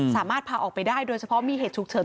สามารถพาออกไปได้โดยเฉพาะมีเหตุฉุกเฉิน